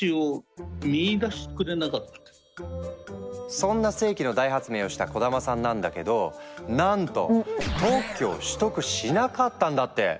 そんな世紀の大発明をした小玉さんなんだけどなんと特許を取得しなかったんだって！